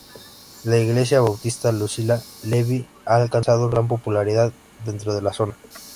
La Iglesia Bautista Lucila Levi ha alcanzado gran popularidad dentro de la zona.